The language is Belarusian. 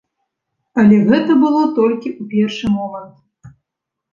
Але гэта было толькі ў першы момант.